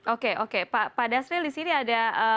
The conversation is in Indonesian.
oke oke pak dasril disini ada